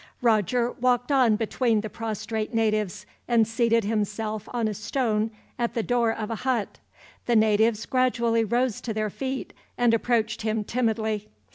Roger walked on between the prostrate natives, and seated himself on a stone at the door of a hut. The natives gradually rose to their feet and approached him timidly.